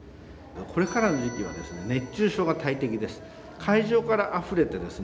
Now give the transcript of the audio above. これからの時期は熱中症が大敵です。